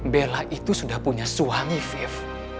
bella itu sudah punya suami fif